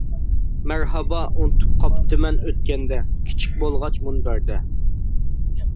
مەرھابا ئۇنتۇپ قاپتىمەن ئۆتكەندە، كىچىك بولغاچ مۇنبەردە.